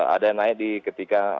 ada yang naik ketika